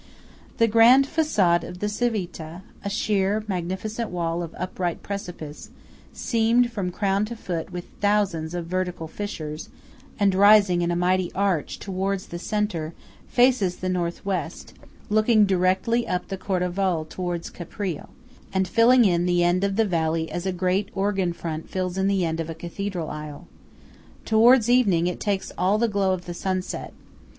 The grand facade of the Civita–a sheer, magnificent wall of upright precipice, seamed from crown to foot with thousands of vertical fissures, and rising in a mighty arch towards the centre–faces the north west, looking directly up the Cordevole towards Caprile, and filling in the end of the valley as a great organ front fills in the end of a Cathedral aisle. Towards evening it takes all the glow of the sunset.